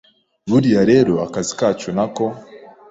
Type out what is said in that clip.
Buriya rero akazi kacu nako